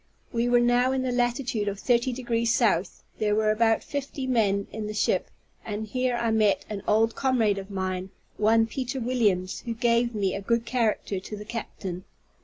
We were now in the latitude of 30 degrees south; there were about fifty men in the ship; and here I met an old comrade of mine, one Peter Williams, who gave me a good character to the captain.